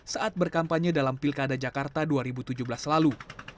saat berkampanye dalam pilkada jakarta dua ribu tujuh belas lalu